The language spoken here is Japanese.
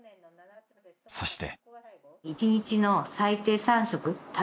そして。